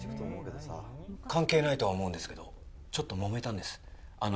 関係ないとは思うんですけど、ちょっともめたんです。